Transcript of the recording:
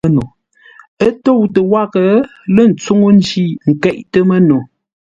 Ə́ tóutə́ wághʼə lə́ ntsúŋú ńjí nkéʼtə́ mə́no.